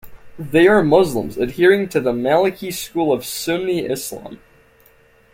They are Muslims, adhering to the Maliki school of Sunni Islam.